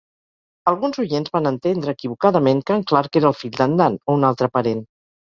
Alguns oients van entendre equivocadament que en Clarke era el fill d'en Dan, o un altre parent.